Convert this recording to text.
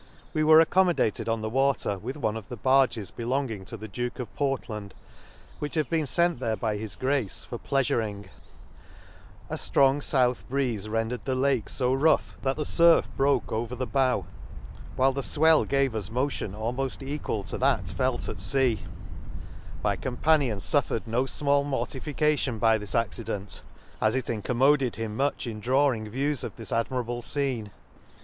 We were accommodated on the water with one of the barges belonging to the Duke of Portland, which have been fent there by his Grace for pleafuring ;— a ftrong fouth breeze rendered the Lake fo rough, that the furf broke over the bow, whilft the fwell gave us motion almoft equal to that felt at fea ;— my companion ; fufFered no fmall mortification by this accident, at it incommoded him much in drawing views of this admirable fcene.